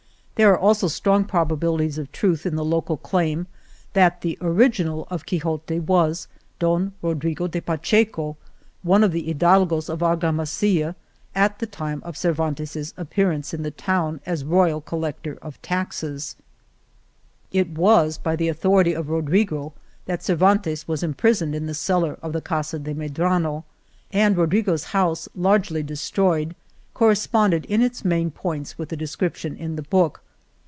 There are also strong probabilities of truth in the local claim that the original of Quixote was Don Rodrigo de Pacheco, one of the hidalgos of Argamasilla at the time of Cervantes's ap pearance in the town as royal collector of taxes. It was by the authority of Rodrigo ^JsSa^^gv^ 54 Argamasilla that Cervantes was imprisoned in the cellar of the Casa de Medrano, and Rodrigo's house, lately destroyed, corresponded in its main points with the description in the book.